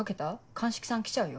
鑑識さん来ちゃうよ。